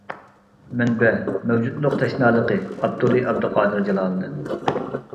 مەنبە: مەۋجۇتلۇق تەشنالىقى، ئاپتورى : ئابدۇقادىر جالالىدىن.